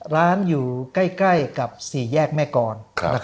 ร้านอยู่ใกล้กับ๔แยกแม่กร